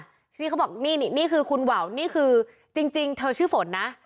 นี่เขาบอกนี่นี่คือคุณวาวนี่คือจริงเธอชื่อฝนนะ